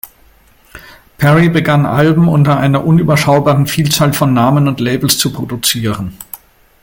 Perry begann Alben unter einer unüberschaubaren Vielzahl von Namen und Labels zu produzieren.